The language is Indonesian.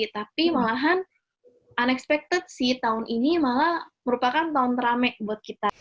tapi malahan unexpected sih tahun ini malah merupakan tahun terame buat kita